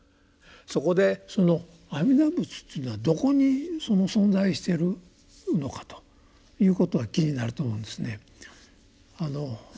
そこでその阿弥陀仏というのはどこに存在してるのかということは気になると思うんですね。